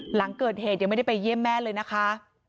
หลังเกิดเหตุยังไม่ได้ไปเยี่ยมแม่เลยนะคะ